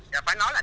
và phải nói là